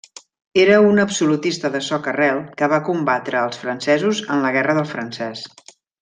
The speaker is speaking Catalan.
Era un absolutista de soca-rel que va combatre als francesos en la Guerra del francès.